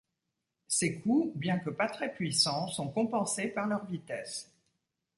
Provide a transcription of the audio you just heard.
Ces coups, bien que pas très puissants, sont compensés par leur vitesse.